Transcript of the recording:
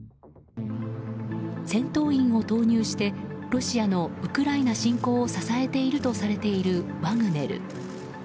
戦闘員を投入してロシアのウクライナ侵攻を支えているされているワグネル。